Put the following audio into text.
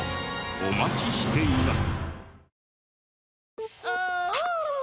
お待ちしています。